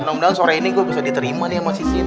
semoga mengang sore ini gue bisa diterima nih sama sisi ini